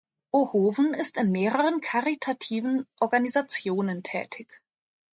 Ohoven ist in mehreren karitativen Organisationen tätig.